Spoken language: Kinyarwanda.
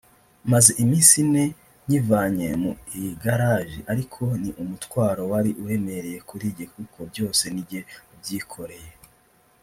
Maze iminsi ine nyivanye mu igaraji ariko ni umutwaro wari uremereye kuri njye kuko byose ni njye wabyikoreye